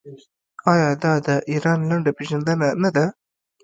آیا دا د ایران لنډه پیژندنه نه ده؟